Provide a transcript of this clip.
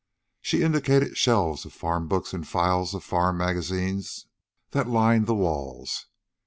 She indicated shelves of farm books and files of farm magazines that lined the walls.